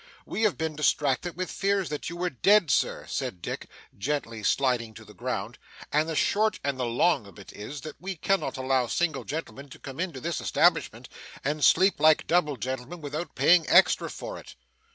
We have been distracted with fears that you were dead, Sir,' said Dick, gently sliding to the ground, 'and the short and the long of it is, that we cannot allow single gentlemen to come into this establishment and sleep like double gentlemen without paying extra for it.